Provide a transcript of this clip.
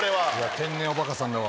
天然おバカさんだわ。